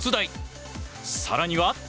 更には。